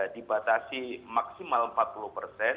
di batasi maksimal empat puluh persen